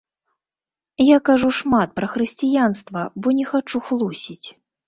Я кажу шмат пра хрысціянства, бо не хачу хлусіць.